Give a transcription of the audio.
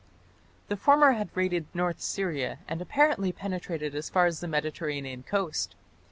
The former had raided North Syria and apparently penetrated as far as the Mediterranean coast.